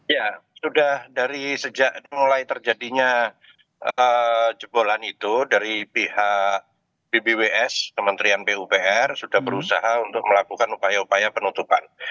ya sudah dari sejak mulai terjadinya jebolan itu dari pihak bbws kementerian pupr sudah berusaha untuk melakukan upaya upaya penutupan